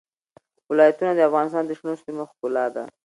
ولایتونه د افغانستان د شنو سیمو ښکلا ده.